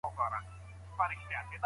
ځینې خلګ په نژادي علتونو باور لري.